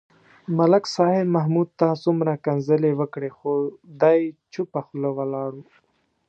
ملک صاحب محمود ته څومره کنځلې وکړې. خو دی چوپه خوله ولاړ و.